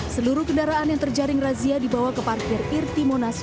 seluruh kendaraan yang terjaring razia dibawa ke parkir irti monas